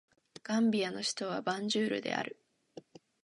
ガンビアの首都はバンジュールである